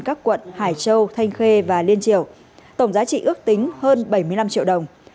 các quận hải châu thanh khê và liên triều tổng giá trị ước tính hơn bảy mươi năm triệu đồng